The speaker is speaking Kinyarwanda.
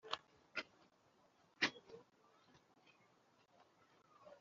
itatu itangirwa Impamyabushobozi y icyiciro